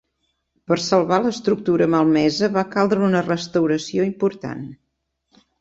Per salvar l'estructura malmesa va caldre una restauració important.